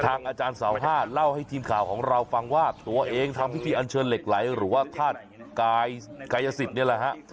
อาจารย์สาวห้าเล่าให้ทีมข่าวของเราฟังว่าตัวเองทำพิธีอันเชิญเหล็กไหลหรือว่าธาตุกายสิทธิ์นี่แหละฮะ